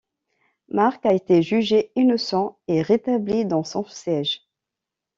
Marc a été jugé innocent et rétabli dans son siège.